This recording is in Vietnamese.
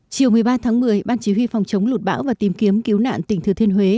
chiều một mươi ba tháng một mươi ban chỉ huy phòng chống lụt bão và tìm kiếm cứu nạn tỉnh thừa thiên huế